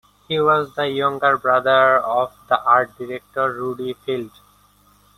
He was the younger brother of the art director Rudi Feld.